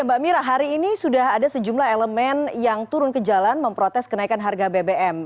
mbak mira hari ini sudah ada sejumlah elemen yang turun ke jalan memprotes kenaikan harga bbm